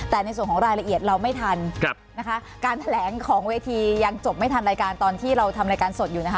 แต่ในส่วนของรายละเอียดเราไม่ทันนะคะการแถลงของเวทียังจบไม่ทันรายการตอนที่เราทำรายการสดอยู่นะคะ